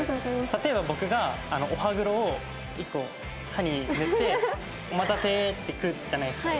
例えば僕がお歯黒を１個歯に塗って「お待たせー」って来るじゃないですか。